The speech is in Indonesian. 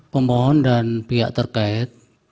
pemohon dan pihak terkait